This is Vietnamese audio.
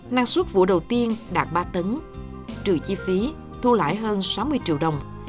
năng suất vụ đầu tiên đạt ba tấn trừ chi phí thu lại hơn sáu mươi triệu đồng